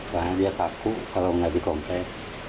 soalnya dia takut kalau nggak dikompres